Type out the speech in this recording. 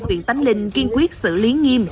huyện tánh linh kiên quyết xử lý nghiêm